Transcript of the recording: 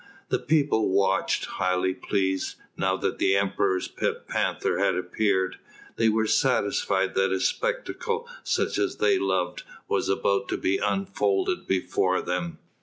The people watched, highly pleased; now that the Emperor's pet panther had appeared they were satisfied that a spectacle such as they loved was about to be unfolded before them.